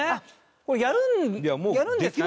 これやるんですかね？